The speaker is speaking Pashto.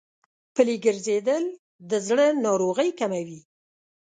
پلي ګرځېدل د زړه ناروغۍ کموي.